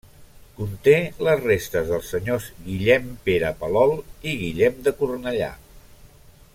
Conté les restes dels senyors Guillem Pere Palol i Guillem de Cornellà.